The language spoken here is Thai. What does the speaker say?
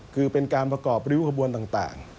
คือเป็นการประกอบริ้วขบวนต่าง